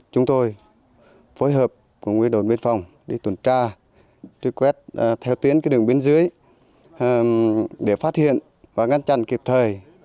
chúng tôi phối hợp với đồn biên phòng đi tuần tra tuy quét theo tiến đường biên giới để phát hiện và ngăn chặn kịp thời